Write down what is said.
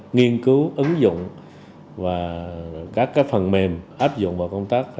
nghiên cứu ứng dụng và các phần mềm áp dụng vào công tác